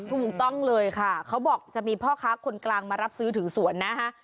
ถูกต้องเลยค่ะเขาบอกจะมีพ่อค้าคนกลางมารับซื้อถึงสวนนะฮะ